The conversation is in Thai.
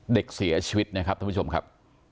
เด็กเสียชีวิตนะครับท่านผู้ชมครับ